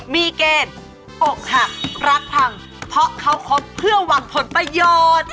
มีเกณฑ์อกหักรักพังเพราะเขาคบเพื่อหวังผลประโยชน์